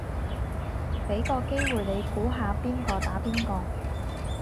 俾個機會你估下邊個打邊個